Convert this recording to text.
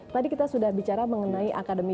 tadi kita sudah bicara mengenai akademi